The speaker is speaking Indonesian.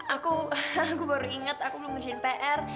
aku aku baru inget aku belum berjaya pr